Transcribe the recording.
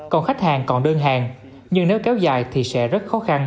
còn khách hàng còn đơn hàng nhưng nếu kéo dài thì sẽ rất khó khăn